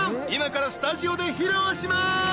今からスタジオで披露します